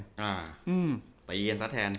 อ่าตะยีกันซะแทน